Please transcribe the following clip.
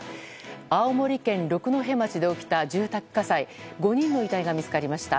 青森県六戸町で起きた住宅火災５人の遺体が見つかりました。